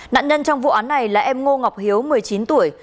nạn nhân trong vụ án này là em ngô ngọc hiếu một mươi chín tuổi